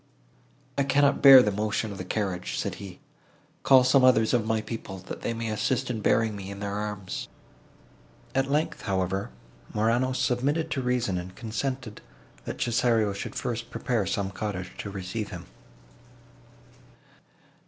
"I cannot bear the motion of a carriage," said he: "call some others of my people, that they may assist in bearing me in their arms." At length, however, Morano submitted to reason, and consented, that Cesario should first prepare some cottage to receive him.